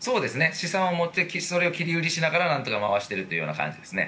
資産を持っていてそれを切り売りしながらなんとか回しているという感じですね。